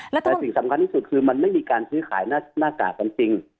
แต่สิ่งสำคัญที่สุดคือมันไม่มีการซื้อขายหน้ากากกันจริง